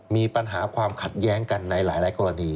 มีปัญหาความขัดแย้งกันในหลายกรณี